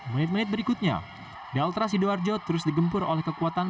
menit menit berikutnya delta sidoarjo terus digempur oleh kekuatan